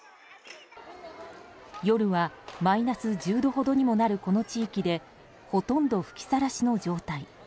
夜はマイナス１０度ほどにもなるこの地域でほとんど吹きさらしの状態。